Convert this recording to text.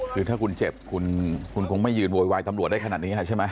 คือถ้าคุณเจ็บคุณคงไม่ยืนโวยวายตำรวจได้ขนาดนี้ใช่ไหม